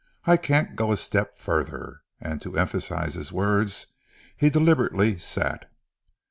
"I can't go a step further," and to emphasise his words he deliberately sat.